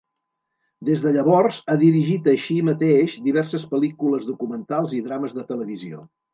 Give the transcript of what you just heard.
Des de llavors ha dirigit així mateix diverses pel·lícules documentals i drames de televisió.